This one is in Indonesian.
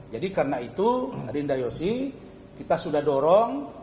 jadi karena itu rinda yosi kita sudah dorong